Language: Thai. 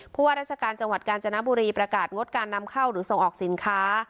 ว่าราชการจังหวัดกาญจนบุรีประกาศงดการนำเข้าหรือส่งออกสินค้า